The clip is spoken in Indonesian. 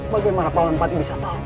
bagaimana pak wanpati bisa tahu